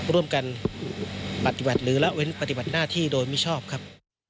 ร่วมกันปฏิบัติหรือละเว้นปฏิบัติหน้าที่โดยมิชอบครับ